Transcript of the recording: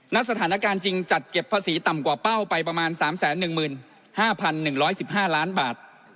สถานการณ์จริงจัดเก็บภาษีต่ำกว่าเป้าไปประมาณ๓๑๕๑๑๕ล้านบาท